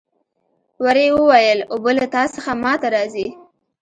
وري وویل اوبه له تا څخه ما ته راځي.